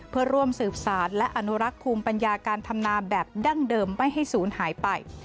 เพื่อร่วมสืบสารและอนุรักษ์ภูมิปัญญาการทำนาแบบดั้งเดิมไม่ให้ศูนย์หายไป